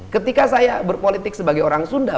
ketika saya berpolitik sebagai orang sunda